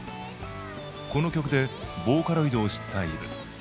この曲でボーカロイドを知ったＥｖｅ。